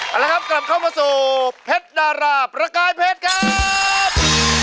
เอาละครับกลับเข้ามาสู่เพชรดาราประกายเพชรครับ